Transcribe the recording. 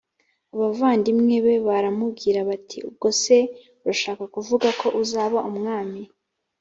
abavandimwe be baramubwira bati ubwo se urashaka kuvuga ko uzaba umwami